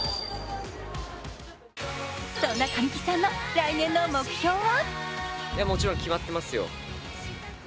そんな神木さんの来年の目標は？